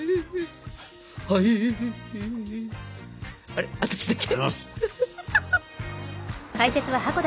あれ私だけ？